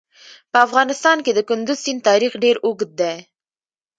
په افغانستان کې د کندز سیند تاریخ ډېر اوږد دی.